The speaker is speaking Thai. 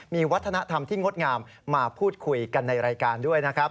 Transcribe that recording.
มีวัฒนธรรมที่งดงามมาพูดคุยกันในรายการด้วยนะครับ